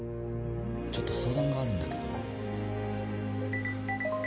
ちょっと相談があるんだけど。